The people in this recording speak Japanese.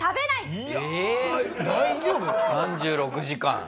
３６時間？